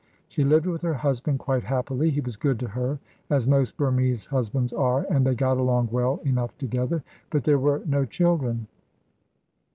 She lived with her husband quite happily; he was good to her, as most Burmese husbands are, and they got along well enough together. But there were no children.